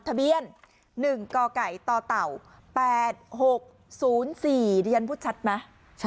ทะเบียน๑กกตเต่า๘๖๐๔ดิฉันพูดชัดไหม